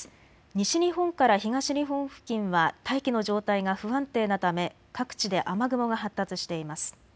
西日本から東日本付近は大気の状態が不安定なため各地で雨雲が発達しています。